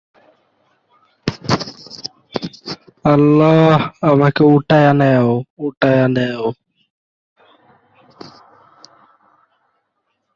তাদের এক সন্তান রয়েছে, নাম ঋত্বিক।